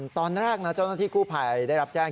ตอนแรกนะเจ้าหน้าที่กู้ภัยได้รับแจ้ง